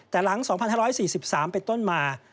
แต่หลัง๒๕๔๓เป็นต้นมา